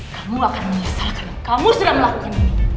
kamu akan menyesal karena kamu sudah melakukan ini